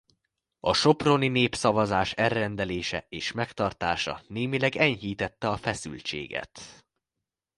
A soproni népszavazás elrendelése és megtartása némileg enyhítette a feszültséget.